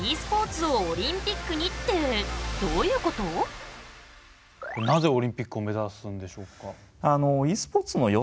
なぜオリンピックを目指すんでしょうか？